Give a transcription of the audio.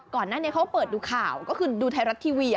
ก่อนหน้านี้เขาเปิดดูข่าวก็คือดูไทยรัฐทีวี